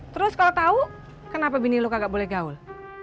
terus kalau tau kenapa bini lo nggak boleh gaul